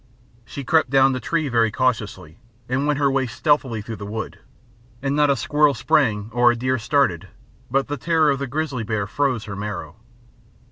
She crept down the tree very cautiously, and went her way stealthily through the wood, and not a squirrel sprang or deer started but the terror of the grizzly bear froze her marrow.